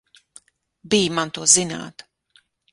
Bij man to zināt!